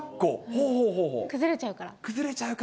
崩れちゃうから。